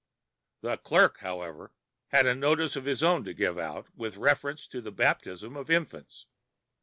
The clerk, however, had a notice of his own to give out with reference to the baptism of infants.